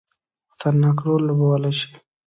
خطرناک رول لوبولای شي.